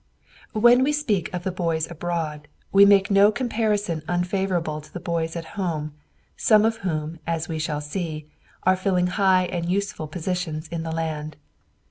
When we speak of the boys abroad, we make no comparison unfavorable to the boys at home, some of whom, as we shall see, are filling high and useful positions in the land.